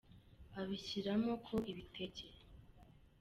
abishyiramo ko ibitege.